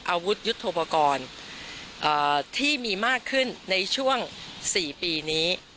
อาวุธยุทธโปรกรณ์ที่มีมากขึ้นในช่วง๔ปีนี้